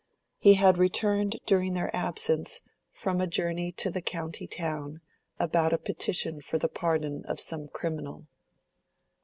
He had returned, during their absence, from a journey to the county town, about a petition for the pardon of some criminal.